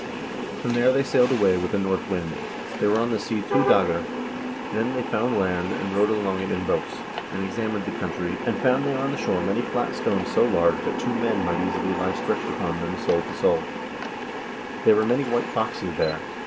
From there they sailed away with a north wind. They were on the sea two doegr} Then they found land, and rowed along it in boats, and examined the country, and found there on the shore many flat stones so large that two men might easily lie stretched upon them sole to sole. There were many white foxes there.